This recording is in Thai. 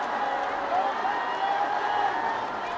วัฒนิยาพุทธ